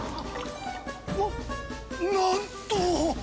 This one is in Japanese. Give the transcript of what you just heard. ななんと！？